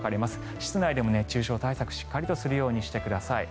室内も熱中症対策をしっかりとするようにしてください。